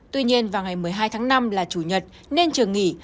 tuy nhiên vào ngày một mươi hai tháng năm là chủ nhật nên trường nghỉ